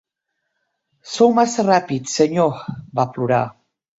"Sou massa ràpid, senyor", va plorar.